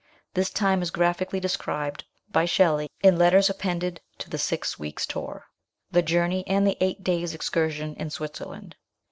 This time is graphically described by Shelley in letters appended to the Six Weeks' Tour ; the journey and the eight days' excursion in Switzerland.